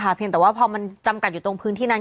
แต่พอมันจำกัดอยู่ตรงพื้นที่นั้น